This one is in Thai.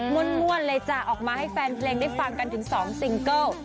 ม่วนเลยจ้ะออกมาให้แฟนเพลงได้ฟังกันถึง๒ซิงเกิล